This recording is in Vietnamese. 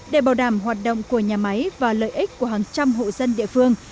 để bảo đảm hoạt động của nhà máy và lợi ích của hàng trăm hộ dân địa phương